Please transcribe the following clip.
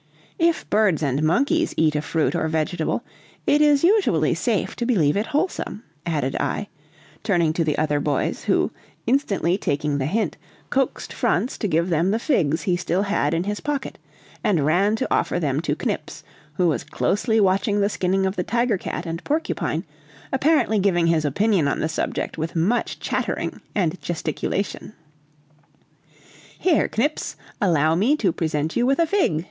If birds and monkeys eat a fruit or vegetable, it is usually safe to believe it wholesome," added I, turning to the other boys, who, instantly taking the hint, coaxed Franz to give them the figs he still had in his pocket, and ran to offer them to Knips, who was closely watching the skinning of the tiger cat and porcupine, apparently giving his opinion on the subject with much chattering and gesticulation. "Here, Knips, allow me to present you with a fig!"